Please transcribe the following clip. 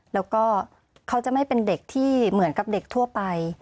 แล้วก็เขาจะไม่เป็นเด็กที่เหมือนกับเด็กทั่วไป